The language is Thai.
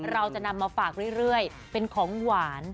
เราจะนำมาฝากเรื่อยเป็นของหวาน